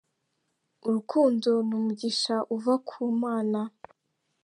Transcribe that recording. Urukundo n'umugisha uva ku Imana